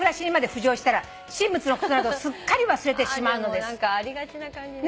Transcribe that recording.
でも何かありがちな感じね。